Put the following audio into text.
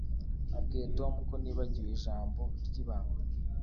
Nabwiye Tom ko nibagiwe ijambo ryibanga